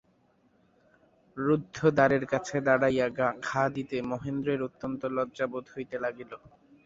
রুদ্ধ দ্বারের কাছে দাঁড়াইয়া ঘা দিতে মহেন্দ্রের অত্যন্ত লজ্জাবোধ হইতে লাগিল।